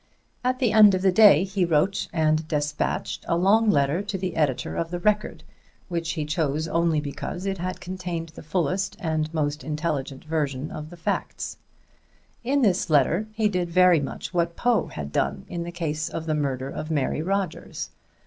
At the end of the day he wrote and despatched a long letter to the editor of the Record, which he chose only because it had contained the fullest and most intelligent version of the facts. In this letter he did very much what Poe had done in the case of the murder of Mary Rogers.